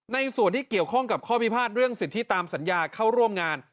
ในส่วนที่เกี่ยวข้องกับข้อพิพาทเรื่องสิทธิตามสัญญาเข้าร่วมงาน